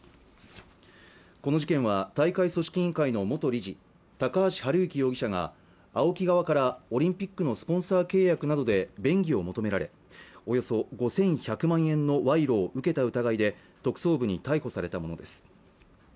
この事件は大会組織委員会の元理事高橋治之容疑者がＡＯＫＩ側からオリンピックのスポンサー契約などで便宜を求められおよそ５１００万円の賄賂を受けた疑いで特捜部に逮捕されたものです